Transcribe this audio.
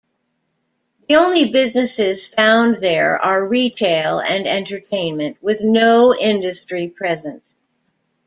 The only businesses found there are retail and entertainment, with no industry present.